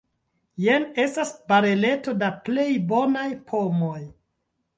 Jen estas bareleto da plej bonaj pomoj.